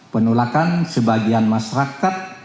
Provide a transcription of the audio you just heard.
penolakan sebagian masyarakat